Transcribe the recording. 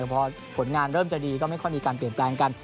พอผลงานเริ่มจะดีก็ไม่ค่อยมีการเปลี่ยนแปลงกัน